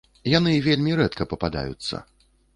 Яны вельмі рэдка пападаюцца.